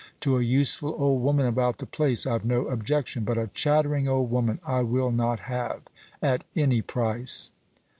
To a useful old woman about the place I've no objection; but a chattering old woman I will not have at any price."